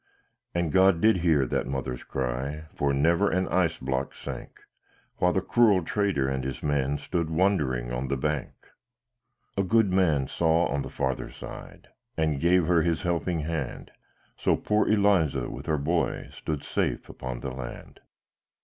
And God did hear that mother's cry, For never an ice block sank; While the cruel trader and his men Stood wondering on the bank. A good man saw on the farther side, And gave her his helping hand; So poor Eliza, with her boy, Stood safe upon the land.